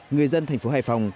người dân thành phố hải phòng